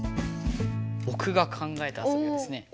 ぼくが考えた遊びはですね